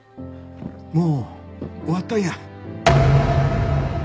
もう終わったんや。